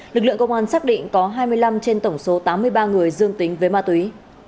lực lượng công an xác định có hai mươi năm trên tổng số tám mươi ba người dương tính với ma túy